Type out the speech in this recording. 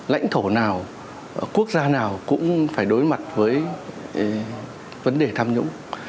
lãnh thổ nào quốc gia nào cũng phải đối mặt với vấn đề tham nhũng